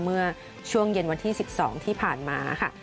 เมื่อช่วงเย็นวันที่๑๒ที่ผ่านมาค่ะ